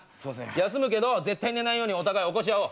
休むけど絶対寝ないようにお互い起こし合おう。